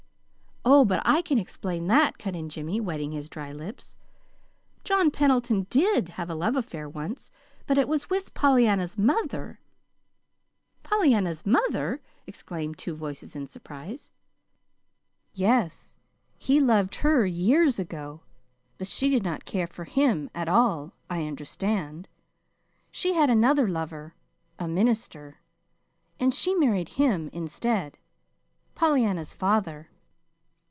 "Oh, but I can explain that," cut in Jimmy, wetting his dry lips. "John Pendleton DID have a love affair once, but it was with Pollyanna's mother." "Pollyanna's mother!" exclaimed two voices in surprise. "Yes. He loved her years ago, but she did not care for him at all, I understand. She had another lover a minister, and she married him instead Pollyanna's father."